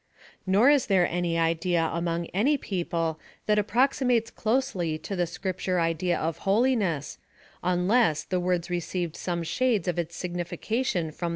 Nor is there any idea among any people that approximates closely to the Scripture idea of holiness, unless, the words received some shades of its signification from the Bible.